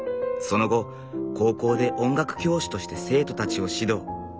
その後高校で音楽教師として生徒たちを指導。